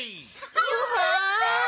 よかった。